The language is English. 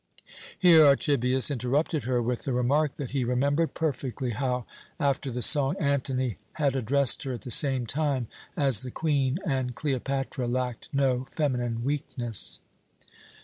Here Archibius interrupted her with the remark that he remembered perfectly how, after the song, Antony had addressed her at the same time as the Queen, and Cleopatra lacked no feminine weakness.